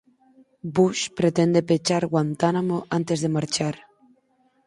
Bush pretende pechar Guantánamo antes de marchar.